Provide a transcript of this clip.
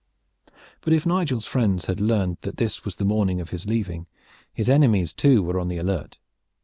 But if Nigel's friends had learned that this was the morning of his leaving, his enemies too were on the alert.